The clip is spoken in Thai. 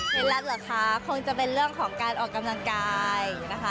รักเหรอคะคงจะเป็นเรื่องของการออกกำลังกายนะคะ